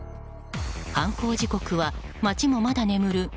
犯行時刻は街もまだ眠る